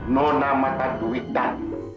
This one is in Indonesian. nona mata duitan